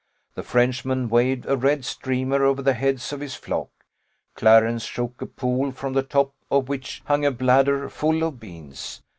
The Frenchman waved a red streamer over the heads of his flock Clarence shook a pole, from the top of which hung a bladder full of beans.